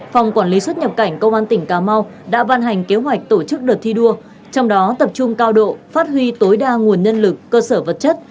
phòng quản lý xuất nhập cảnh công an tỉnh cà mau đã ban hành kế hoạch tổ chức đợt thi đua trong đó tập trung cao độ phát huy tối đa nguồn nhân lực cơ sở vật chất